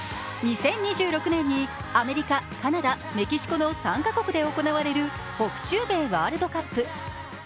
２０２６年にアメリカ、カナダ、メキシコの３カ国で行われる北中米ワールドカップ。